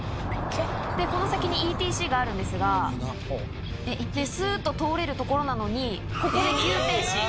この先にＥＴＣがあるんですがすっと通れる所なのにここで急停止。